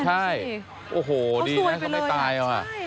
ใช่โอ้โหดีนะทำไมไม่ตายอ่ะ